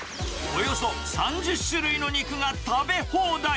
およそ３０種類の肉が食べ放題。